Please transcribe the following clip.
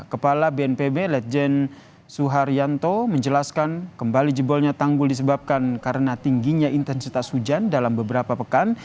kepala bnpb lejen suharyanto menjelaskan kembali jebolnya tanggul disebabkan karena tingginya intensitas hujan dalam beberapa pekan